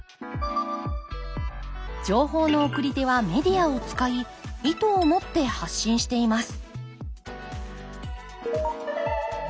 情報の送り手はメディアを使い意図を持って発信しています